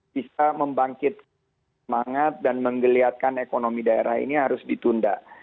bisa membangkitkan semangat dan menggeliatkan ekonomi daerah ini harus ditunda